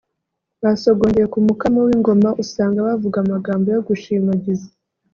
basogongeye ku mukamo w’ingoma usanga bavuga amagambo yo gushimagiza